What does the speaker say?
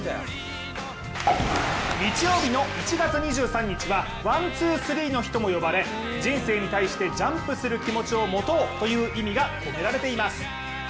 日曜日の１月２３日はワン・ツー・スリーの日とも呼ばれ、人生に対してジャンプする気持を持とうという気持が込められています。